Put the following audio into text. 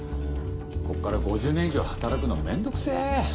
こっから５０年以上働くの面倒くせぇ。